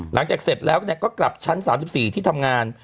เสร็จแล้วก็กลับชั้น๓๔ที่ทำงาน